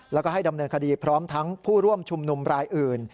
แล้วก็ให้ดำเนินคดีพร้อมทั้งผู้ร่วมชุมนุมรายอื่น